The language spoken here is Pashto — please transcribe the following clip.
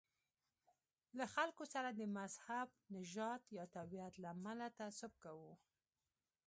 له خلکو سره د مذهب، نژاد یا تابعیت له امله تعصب کوو.